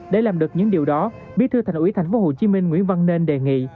để làm được những điều đó bí thư thành ủy tp hcm nguyễn văn nên đề nghị